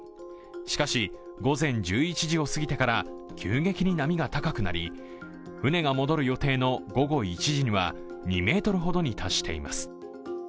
しかし、午前１１時をすぎてから急激に波が高くなり船が戻る予定の午後１時には２ｍほどに達しています。